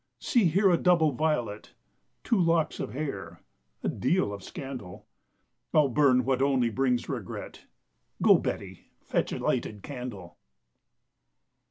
See here a double violet— Two locks of hair—a deal of scandal: I'll burn what only brings regret— Go, Betty, fetch a lighted candle.